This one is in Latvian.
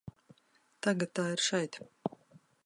Tagad tā ir šeit.